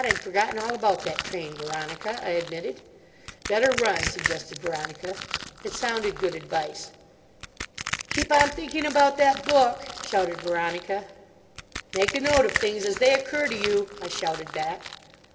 I'd forgotten all about that train, Veronica," I admitted. "Better run," suggested Veronica. It sounded good advice. "Keep on thinking about that book," shouted Veronica. "Make a note of things as they occur to you," I shouted back.